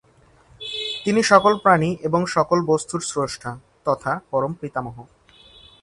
তিনি সকল প্রাণী এবং সকল বস্তুর স্রষ্টা তথা পরম পিতামহ।